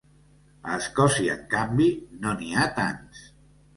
A Escòcia, en canvi, no n’hi ha tants.